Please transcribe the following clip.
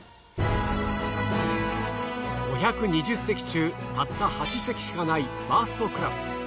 ５２０席中たった８席しかないファーストクラス。